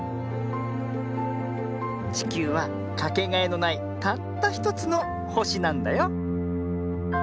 ちきゅうはかけがえのないたったひとつのほしなんだよ。